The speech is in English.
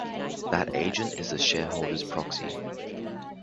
That agent is the shareholder's proxy.